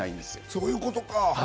そういうことか。